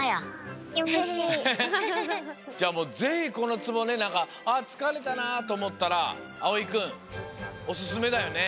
じゃあもうぜひこのツボねなんか「ああつかれたな」とおもったらあおいくんおすすめだよね。